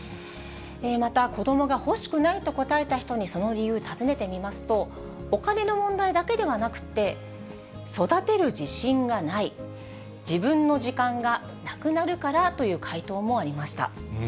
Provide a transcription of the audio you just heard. また、子どもが欲しくないと答えた人にその理由、尋ねてみますと、お金の問題だけではなくて、育てる自信がない、自分の時間がなくなるからという回答もありました。